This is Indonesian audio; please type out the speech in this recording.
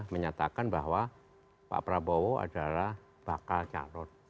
menyatakan bahwa pak prabowo adalah bakal calon